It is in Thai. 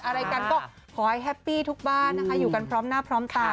อะไรกันก็ขอให้แฮปปี้ทุกบ้านนะคะอยู่กันพร้อมหน้าพร้อมตา